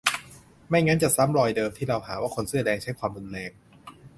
ไม่งั้นจะซ้ำรอยที่เราหาว่าคนเสื้อแดงใช้ความรุนแรง